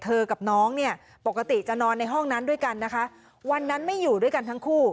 กับน้องเนี่ยปกติจะนอนในห้องนั้นด้วยกันนะคะวันนั้นไม่อยู่ด้วยกันทั้งคู่